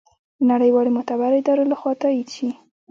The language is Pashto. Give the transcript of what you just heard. د نړیوالو معتبرو ادارو لخوا تائید شي